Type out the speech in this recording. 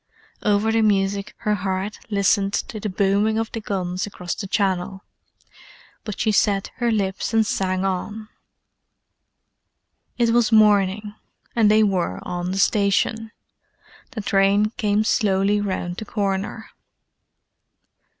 Over the music her heart listened to the booming of the guns across the Channel. But she set her lips and sang on. It was morning, and they were on the station. The train came slowly round the corner.